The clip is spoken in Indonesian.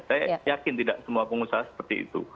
saya yakin tidak semua pengusaha seperti itu